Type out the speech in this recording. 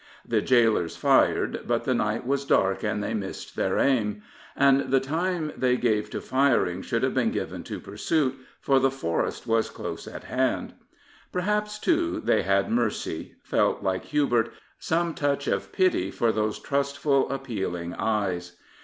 The gaolers fired, but the night was dark and they missed their aim. And the time they gave to firing should 2s8 The Tsar have been given to pursuit, for the forest was close at hand. Perhaps, too, they had mercy; felt, like Hubert, some touch of pity for those trustful, appeal ing eyes.